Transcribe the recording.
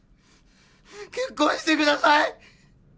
結婚してください！